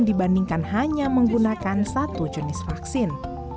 dibandingkan hanya menggunakan satu jenis vaksin